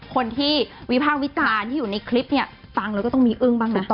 คนที่วิภาควิจารณ์ที่อยู่ในคลิปฟังเราก็ต้องมีอึ้งบ้างนะ